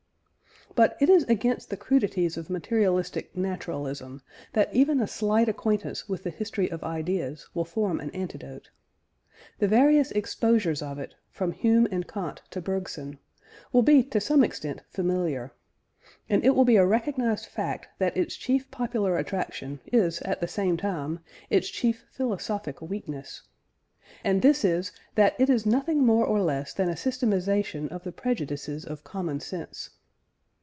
But it is against the crudities of materialistic naturalism that even a slight acquaintance with the history of ideas will form an antidote. The various exposures of it, from Hume and Kant to Bergson, will be to some extent familiar; and it will be a recognised fact that its chief popular attraction is at the same time its chief philosophic weakness; and this is that it is nothing more or less than a systematisation of the prejudices of common sense.